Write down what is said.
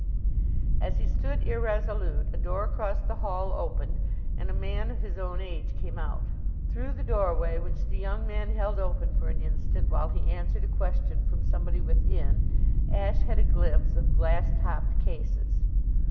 As he stood irresolute a door across the hall opened and a man of his own age came out. Through the doorway, which the young man held open for an instant while he answered a question from somebody within, Ashe had a glimpse of glass topped cases.